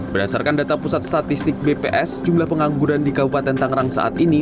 berdasarkan data pusat statistik bps jumlah pengangguran di kabupaten tangerang saat ini